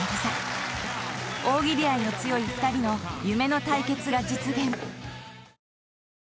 ［大喜利愛の強い２人の夢の対決が実現］